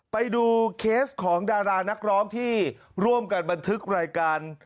ไปดูเคสของดารานักร้องที่ร่วมกันบันทึกรายการ